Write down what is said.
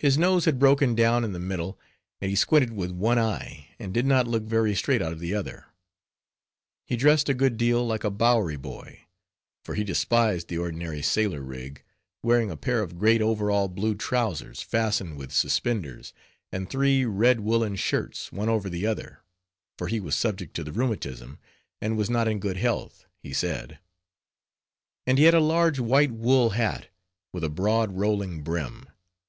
His nose had broken down in the middle, and he squinted with one eye, and did not look very straight out of the other. He dressed a good deal like a Bowery boy; for he despised the ordinary sailor rig; wearing a pair of great over all blue trowsers, fastened with suspenders, and three red woolen shirts, one over the other; for he was subject to the rheumatism, and was not in good health, he said; and he had a large white wool hat, with a broad rolling brim.